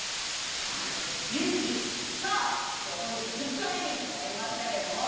さあ今日本日２日目になりましたけども。